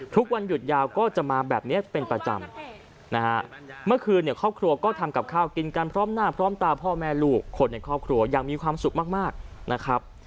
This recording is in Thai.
ทุกวันหยุดยาวก็จะมาแบบนี้เป็นประจำนะฮะเมื่อคืนเนี่ยครอบครัวก็ทำกับข้าวกินกันพร้อมหน้าพร้อมตาพ่อแม่ลูกคนในครอบครัวอย่างมีความสุขมากนะครับ